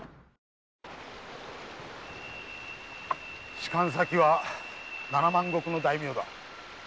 仕官先は七万石の大名だ。